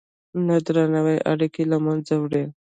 نه درناوی اړیکې له منځه وړي.